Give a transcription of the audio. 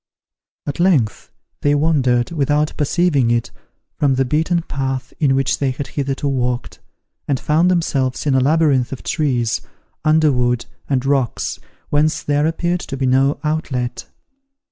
At length they wandered, without perceiving it, from the beaten path in which they had hitherto walked, and found themselves in a labyrinth of trees, underwood, and rocks, whence there appeared to be no outlet.